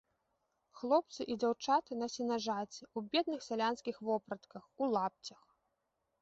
Хлопцы і дзяўчаты на сенажаці ў бедных сялянскіх вопратках, у лапцях.